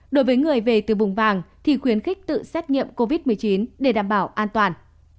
đối với người về từ vùng vàng thì khuyến khích tự xét nghiệm covid một mươi chín để đảm bảo an toàn